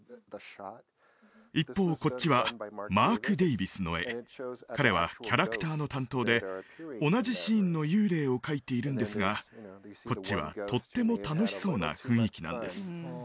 一方こっちはマーク・デイヴィスの絵彼はキャラクターの担当で同じシーンの幽霊を描いているんですがこっちはとっても楽しそうな雰囲気なんです